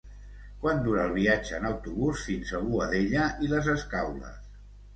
Quant dura el viatge en autobús fins a Boadella i les Escaules?